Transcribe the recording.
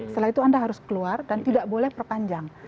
setelah itu anda harus keluar dan tidak boleh perpanjang